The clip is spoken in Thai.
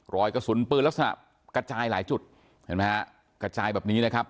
รอยกระสุนปืนลักษณะกระจายหลายจุดเห็นไหมฮะกระจายแบบนี้นะครับ